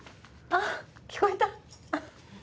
あっ聞こえた？